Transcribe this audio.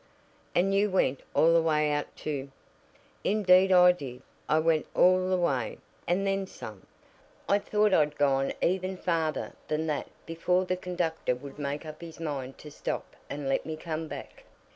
"And you went all the way out to " "Indeed I did. I went all the way, and then some. I thought I had gone even farther than that before the conductor would make up his mind to stop and let me come back."